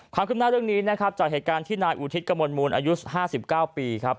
ความคุ้มหน้าเรื่องนี้จากเหตุการณ์ที่นายอุทิศกระมวลมูลอายุ๕๙ปี